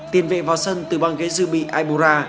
tiền vệ vào sân từ băng ghế dư bị aibora